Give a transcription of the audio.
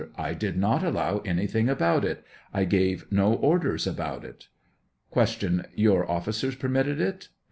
I did not allow anything about it ; I gave no or ders about it. Q. Your officers permitted it